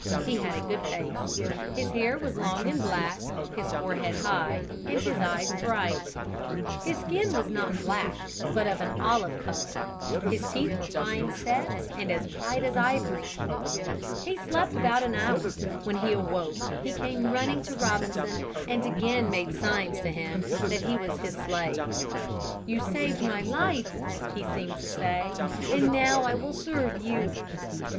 He had a good face. His hair was long and black, his forehead high, and his eyes bright. His skin was not black, but of an olive color. His teeth were fine set and as white as ivory. He slept about an hour; when he awoke he came running to Robinson and again made signs to him that he was his slave. "You saved my life," he seemed to say, "and now I will serve you."